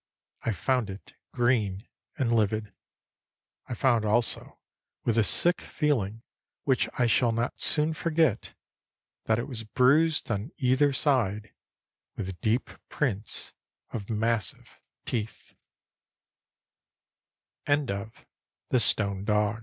I found it green and livid. I found also, with a sick feeling which I shall not soon forget, that it was bruised on either side with deep prints of massive teeth. The Barn on the Marsh.